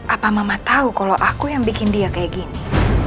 apa mama tahu kalau aku yang bikin dia kayak gini